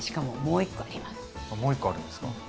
もう一個あるんですか？